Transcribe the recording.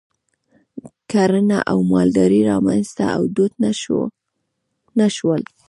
کرنه او مالداري رامنځته او دود نه شول.